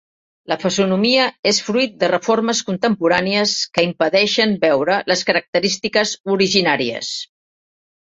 La fesomia és fruit de reformes contemporànies que impedeixen veure les característiques originàries.